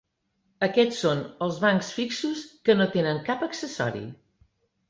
Aquestes són els bancs fixos que no tenen cap accessori.